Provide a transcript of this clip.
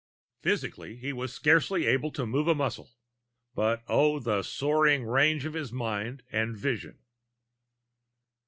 Physically, he was scarcely able to move a muscle. But, oh, the soaring range of his mind and vision!